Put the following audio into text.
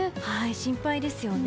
心配ですよね。